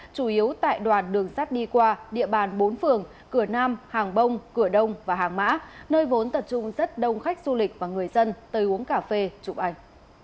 chủ yếu tại đoàn đường sắt đi qua địa bàn bốn phường cửa nam hàng bông cửa đông và hàng mã nơi vốn tập trung rất đông khách du lịch và người dân tới uống cà phê chụp ảnh